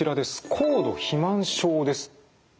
高度肥満症です。